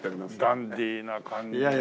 ダンディーな感じですごい。